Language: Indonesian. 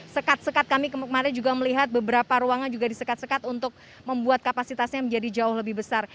sekat sekat kami kemarin juga melihat beberapa ruangan juga disekat sekat untuk membuat kapasitasnya menjadi jauh lebih besar